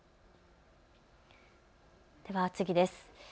では次です。